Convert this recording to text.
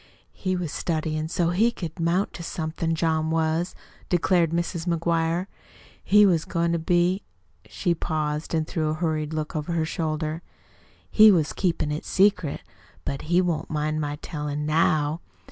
"He was studyin' so he could 'mount to somethin' John was," declared Mrs. McGuire. "He was goin' to be" she paused and threw a hurried look over her shoulder "he was keepin' it secret, but he won't mind my tellin' NOW.